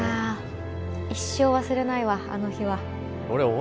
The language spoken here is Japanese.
一生忘れないわあの日は。